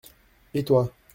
Et toi ?